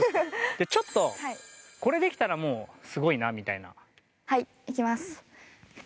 ちょっとこれできたらもうすごいなみたいな。